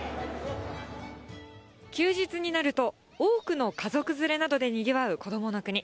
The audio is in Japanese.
休日になると、多くの家族連れなどでにぎわうこどもの国。